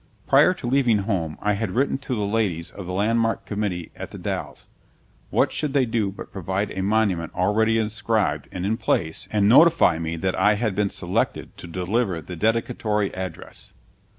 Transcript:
Prior to leaving home I had written to the ladies of the Landmark Committee at The Dalles. What should they do but provide a monument already inscribed and in place, and notify me that I had been selected to deliver the dedicatory address!